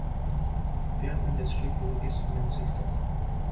film industry کو اس منزل تک